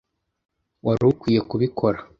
wari ukwiye kubikora.